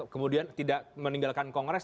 kemudian tidak meninggalkan kongres